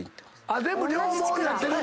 全部両毛になってるんだ。